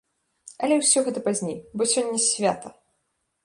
Але ўсё гэта пазней, бо сёння свята!